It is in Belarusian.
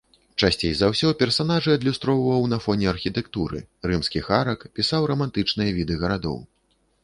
Часцей за ўсё персанажы адлюстроўваў на фоне архітэктуры, рымскіх арак, пісаў рамантычныя віды гарадоў.